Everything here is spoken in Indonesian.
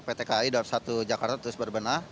pt kai daup satu jakarta terus berbenah